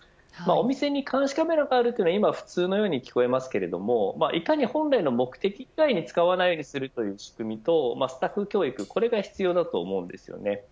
お店に監視カメラがあるのは今普通に聞こえますがいかに本来の目的以外に使わないようにする仕組みとスタッフ教育が必要だと思います。